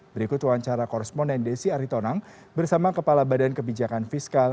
berikut wawancara korresponden desi aritonang bersama kepala badan kebijakan fiskal